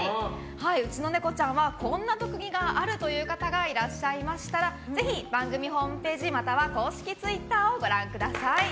うちのネコちゃんはこんな特技があるという方がいらっしゃいましたらぜひ、番組ホームページまたは公式ツイッターをご覧ください。